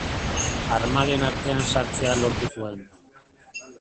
Armaden artean sartzea lortu zuen.